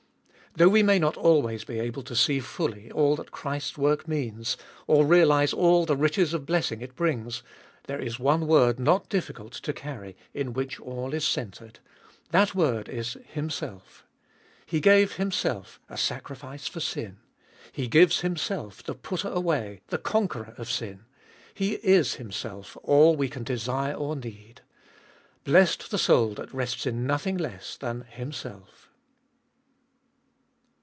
Though we may not always be able to see fully all that Christ's work means, or realise all the riches of blessing it brings, there is one word not difficult to carry in which all is centred. That word is Himself. He gave Himself a sacrifice for sin ; He gives Himself the putter away, the conqueror of sin ; He is Himself all we can desire or need. Blessed the soul that rests in nothing less than HIMSELF.